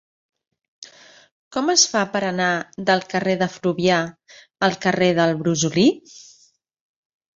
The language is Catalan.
Com es fa per anar del carrer de Fluvià al carrer del Brosolí?